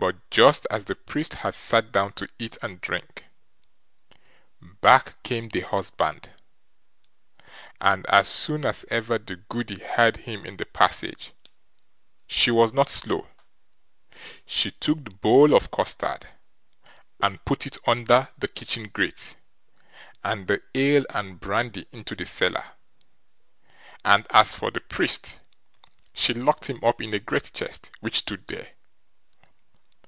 But just as the priest had sat down to eat and drink, back came the husband, and as soon as ever the Goody heard him in the passage, she was not slow; she took the bowl of custard, and put it under the kitchen grate, and the ale and brandy into the cellar, and as for the priest, she locked him up in a great chest which stood there.